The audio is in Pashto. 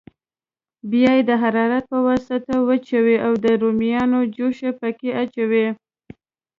بیا یې د حرارت په واسطه وچوي او د رومیانو جوشه پکې اچوي.